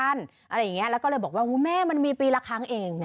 อะไรอย่างนี้แล้วก็เลยบอกว่าแม่มันมีปีละครั้งเอง